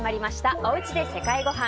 おうちで世界ごはん。